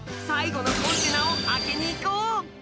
最後のコンテナを開けに行こう！